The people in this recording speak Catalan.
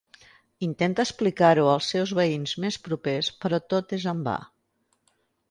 Intenta explicar-ho als seus veïns més propers però tot és en va.